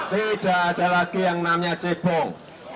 tidak ada lagi yang namanya cebong